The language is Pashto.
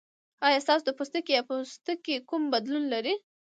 ایا تاسو د پوستکي یا پوستکي کوم بدلون لرئ؟